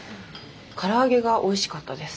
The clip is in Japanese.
唐揚げがおいしかったです。